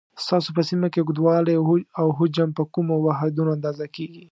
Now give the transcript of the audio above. ستاسو په سیمه کې اوږدوالی او حجم په کومو واحدونو اندازه کېږي؟